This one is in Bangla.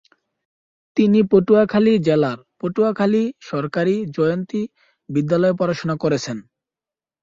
তিনি পটুয়াখালী জেলার পটুয়াখালী সরকারী জয়ন্তী বিদ্যালয়ে পড়াশোনা করেছেন।